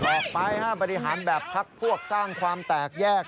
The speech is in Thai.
ออกไปบริหารแบบพักพวกสร้างความแตกแยก